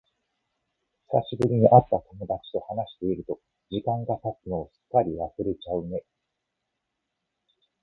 久しぶりに会った友達と話していると、時間が経つのをすっかり忘れちゃうね。